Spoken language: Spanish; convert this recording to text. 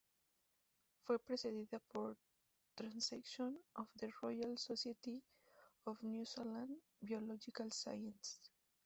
Fue precedida por "Transactions of the Royal Society of New Zealand Biological Sciences".